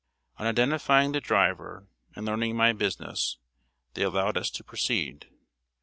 On identifying the driver, and learning my business, they allowed us to proceed.